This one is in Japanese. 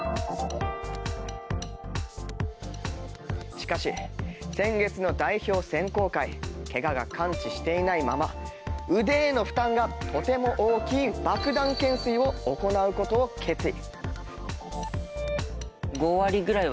しかし、先月の代表選考会けがが完治していないまま腕への負担がとても大きいバクダン懸垂を行うことを決意。